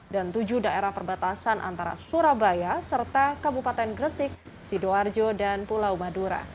dan tujuh daerah perbatasan antara surabaya serta kabupaten gresik sidoarjo dan pulau madura